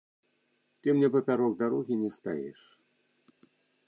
Ты мне папярок дарогі не стаіш.